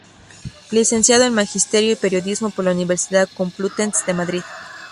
Licenciado en Magisterio y Periodismo por la Universidad Complutense de Madrid.